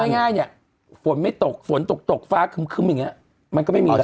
เอาง่ายเนี่ยฝนไม่ตกฝนตกฟ้าคึ้มอย่างเงี้ยมันก็ไม่มีแหละ